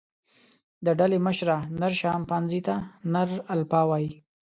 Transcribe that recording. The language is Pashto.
د ډلې مشره، نر شامپانزي ته نر الفا وایي.